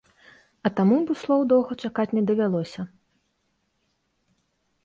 А таму буслоў доўга чакаць не давялося.